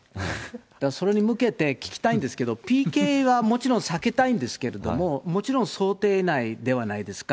だからそれに向けて聞きたいんですけど、ＰＫはもちろん避けたいんですけれども、もちろん想定内ではないですか。